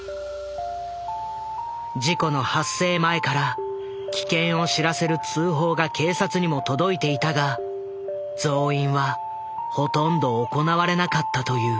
事故の発生前から危険を知らせる通報が警察にも届いていたが増員はほとんど行われなかったという。